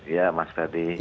ya mas ferdi